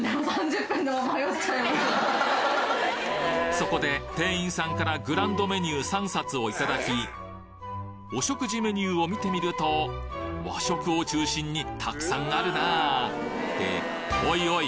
そこで店員さんからグランドメニュー３冊を頂きお食事メニューを見てみると和食を中心にたくさんあるなぁっておいおい！